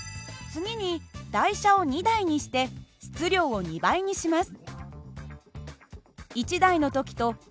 更に台車を３台にして質量を３倍にします。